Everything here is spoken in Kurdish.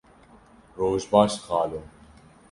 Roj baş xalo.